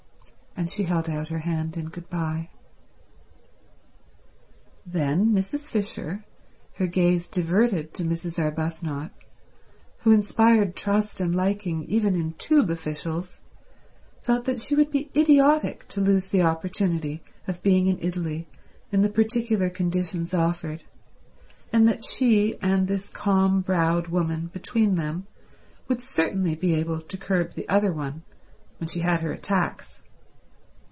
And she held out her hand in good bye. Then Mrs. Fisher, her gaze diverted to Mrs. Arbuthnot, who inspired trust and liking even in Tube officials, felt that she would be idiotic to lose the opportunity of being in Italy in the particular conditions offered, and that she and this calm browed woman between them would certainly be able to curb the other one when she had her attacks.